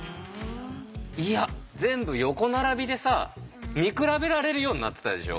いや全部横並びでさ見比べられるようになってたでしょ？